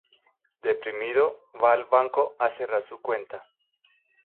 Deprimido, va al banco a cerrar su cuenta.